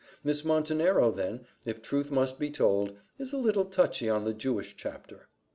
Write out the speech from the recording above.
Miss Montenero, then, if truth must be told, is a little touchy on the Jewish chapter."